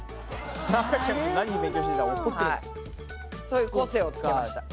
そういう個性をつけました。